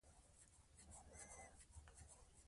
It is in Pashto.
منطق او استدلال وکاروئ.